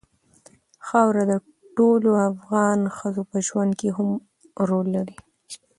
خاوره د ټولو افغان ښځو په ژوند کې هم رول لري.